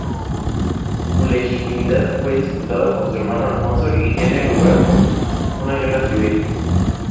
Su legitimidad fue disputada por su hermano Alfonso y tiene lugar una guerra civil.